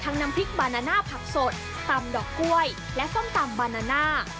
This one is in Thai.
น้ำพริกบานาน่าผักสดตำดอกกล้วยและส้มตำบานาน่า